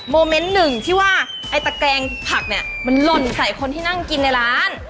โมเมนต์หนึ่งที่ว่าไอ้ตะแกรงผักเนี่ยมันหล่นใส่คนที่นั่งกินในร้าน